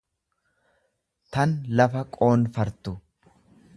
tan lafa qoonfartu.